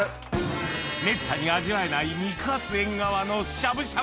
めったに味わえない肉厚エンガワのしゃぶしゃぶ